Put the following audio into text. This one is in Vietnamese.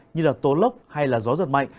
như tố lốc hay gió giật mạnh